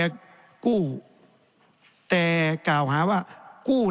แสดงว่าความทุกข์มันไม่ได้ทุกข์เฉพาะชาวบ้านด้วยนะ